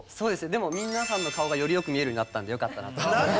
でも皆さんの顔がよりよく見えるようになったのでよかったなと思います。